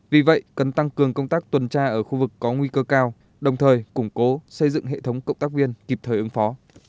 vì vậy cần tăng cường công tác tuần tra ở khu vực có nguy cơ cao đồng thời củng cố xây dựng hệ thống cộng tác viên kịp thời ứng phó